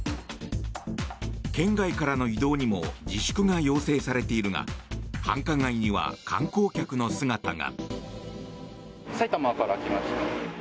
県外からの移動にも自粛が要請されているが繁華街には観光客の姿が。